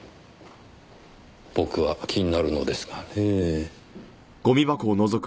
僕は気になるのですがねぇ。